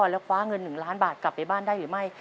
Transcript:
แล้วคว้าเงิน๑ล้านบาทกลับไปบ้านได้หรือไม่